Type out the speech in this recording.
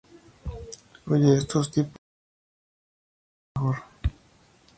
Oye, estos tipos son profesionales. Son lo mejor.